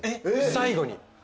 最後に。